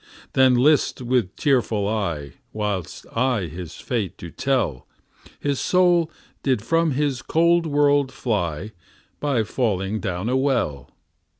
Then list with tearful eye, Whilst I his fate do tell. His soul did from this cold world fly, By falling down a well.